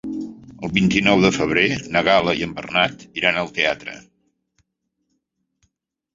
El vint-i-nou de febrer na Gal·la i en Bernat iran al teatre.